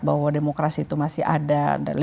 bahwa demokrasi itu masih ada